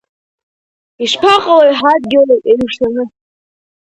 Ишԥаҟалои ҳадгьыл еиҩшаны?